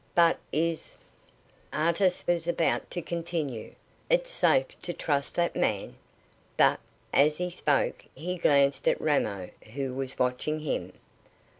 "But is " Artis was about to continue, "it safe to trust that man?" but, as he spoke, he glanced at Ramo, who was watching him.